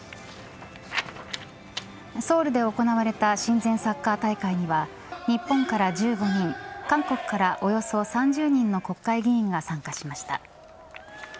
ソウルで行われた親善サッカー大会には日本から１５人韓国からおよそ３０人の国会議員が参加しました。